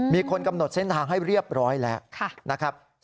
มีคนกำหนดเส้นทางให้เรียบร้อยแล้วนะครับ